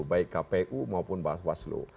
baik kpu maupun mbak waslu